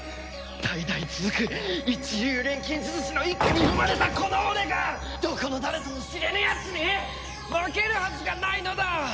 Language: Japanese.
代々続く一流錬金術師の一家に生まれたこの俺がどこの誰とも知れぬやつに負けるはずがないのだ！